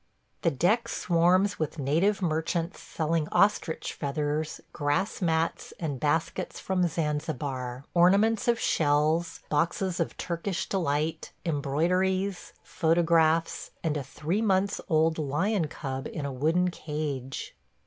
... The deck swarms with native merchants selling ostrich feathers, grass mats and baskets from Zanzibar; ornaments of shells, boxes of Turkish Delight, embroideries, photographs, and a three months old lion cub in a wooden cage.